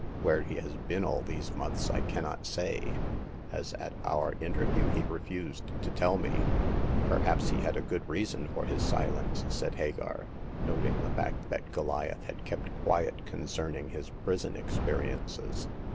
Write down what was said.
Where he has been all these months I cannot say, as at our interview he refused to tell me." " Perhaps he had a good reason for his silence," said Hagar, noting the fact that Goliath had kept quiet concerning his prison experiences.